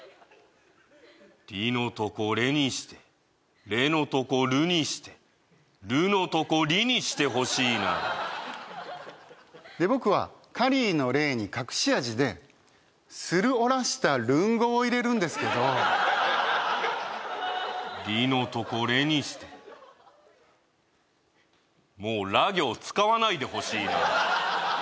「リ」のとこ「レ」にして「レ」のとこ「ル」にして「ル」のとこ「リ」にしてほしいなで僕はカリーのレーに隠し味でするおらしたルンゴを入れるんですけど「リ」のとこ「レ」にしてもうラ行使わないでほしいな